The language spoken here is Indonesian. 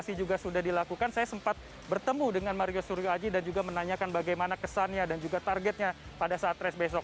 dan juga sudah dilakukan saya sempat bertemu dengan mario suryo aji dan juga menanyakan bagaimana kesannya dan juga targetnya pada saat race besok